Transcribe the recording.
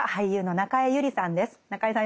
中江さん